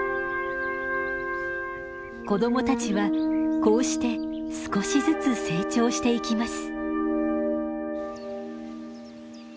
子供たちはこうして少しずつ成長していきます。